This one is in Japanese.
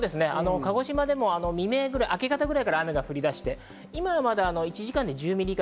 鹿児島でも明け方くらいから雨が降り出して、今は１時間に１０ミリ以下。